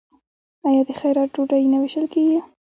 آیا د خیرات ډوډۍ نه ویشل کیږي؟